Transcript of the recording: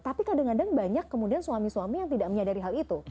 tapi kadang kadang banyak kemudian suami suami yang tidak menyadari hal itu